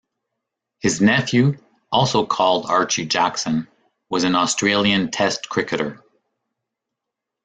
His nephew, also called Archie Jackson, was an Australian test cricketer.